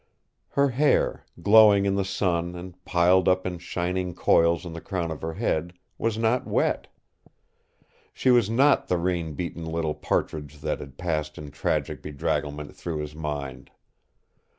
Her hair, glowing in the sun and piled up in shining coils on the crown of her head, was not wet. She was not the rain beaten little partridge that had passed in tragic bedragglement through his mind.